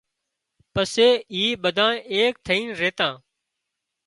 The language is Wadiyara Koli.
پسي اِي ٻڌائي ايڪ ٿئينَ ريتا